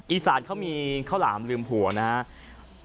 อีสานเขามีข้าวหลามลืมหัวนะครับ